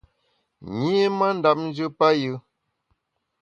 Nyi mandap njù payù.